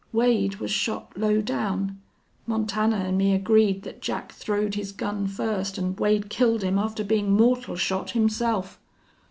Wade was shot low down.... Montana an' me agreed thet Jack throwed his gun first an' Wade killed him after bein' mortal shot himself."